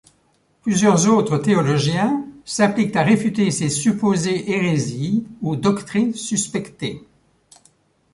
Plusieurs autres théologiens s'appliquent à réfuter ses supposées hérésies ou doctrines suspectées.